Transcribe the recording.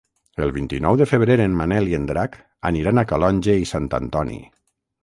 El vint-i-nou de febrer en Manel i en Drac aniran a Calonge i Sant Antoni.